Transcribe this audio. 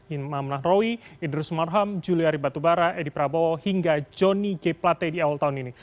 inman mahmoud rahim idris marham juliari batubara edi prabowo hingga joni g plate di awal tahun ini